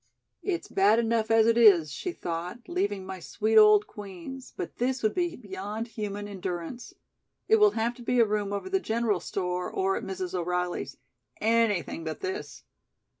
"It's bad enough as it is," she thought, "leaving my sweet old Queen's, but this would be beyond human endurance. It will have to be a room over the general store or at Mrs. O'Reilly's. Anything but this."